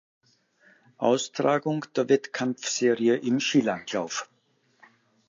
Austragung der Wettkampfserie im Skilanglauf.